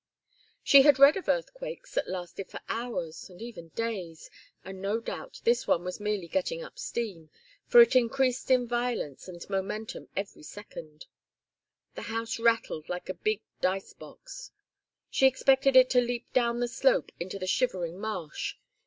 She had read of earthquakes that lasted for hours, and even days, and no doubt this one was merely getting up steam, for it increased in violence and momentum every second. The house rattled like a big dice box. She expected it to leap down the slope into the shivering marsh.